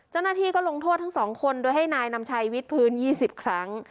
เจ้าหน้าที่ก็ลงโทษทั้ง๒คนโดยให้นายนำชัยวิทย์พื้น๒๐ครั้ง